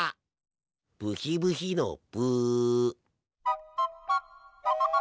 ブヒブヒのブ。